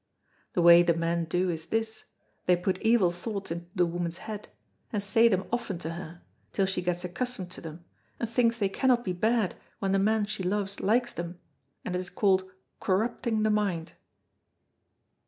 The way the men do is this, they put evil thoughts into the woman's head, and say them often to her, till she gets accustomed to them, and thinks they cannot be bad when the man she loves likes them, and it is called corrupting the mind.